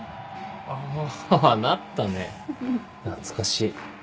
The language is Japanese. あなったね懐かしい。